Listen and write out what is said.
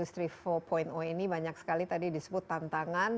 untuk kita mencapai revolusi industri empat ini banyak sekali tadi disebut tantangan